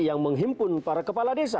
yang menghimpun para kepala desa